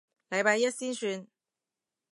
禮拜一先算